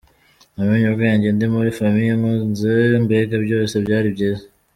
Namenye ubwenge ndi muri famille inkunze, mbega byose byari byiza.